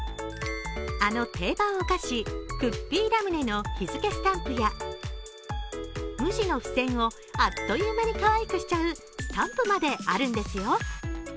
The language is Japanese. あの定番お菓子、クッピーラムネの日付スタンプや無地の付箋をあっという間にかわいくしちゃうスタンプまであるんですよ。